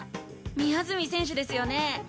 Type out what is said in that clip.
宮澄選手ですよね？